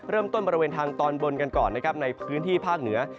บริเวณทางตอนบนกันก่อนนะครับในพื้นที่ภาคเหนือ